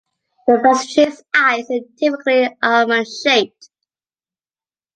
A Basenji's eyes are typically almond-shaped.